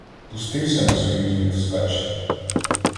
Пустився на союзних вскач.